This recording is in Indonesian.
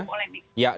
iya gak harus polemik